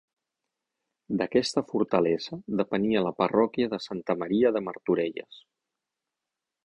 D'aquesta fortalesa depenia la parròquia de Santa Maria de Martorelles.